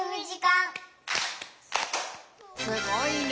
すごいね！